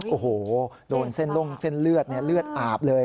โอ้โหโดนเส้นล่งเส้นเลือดเลือดอาบเลย